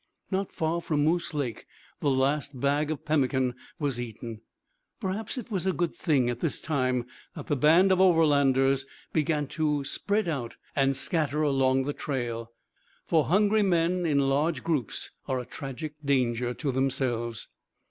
Not far from Moose Lake the last bag of pemmican was eaten. Perhaps it was a good thing at this time that the band of Overlanders began to spread out and scatter along the trail; for hungry men in large groups are a tragic danger to themselves.